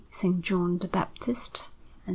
John the Baptist, and S.